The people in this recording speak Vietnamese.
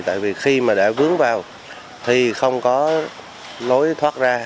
tại vì khi mà đã vướng vào thì không có lối thoát ra